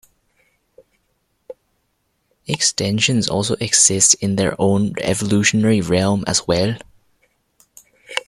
Extensions also exist in their own evolutionary realm, as well.